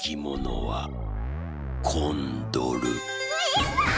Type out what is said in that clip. やった！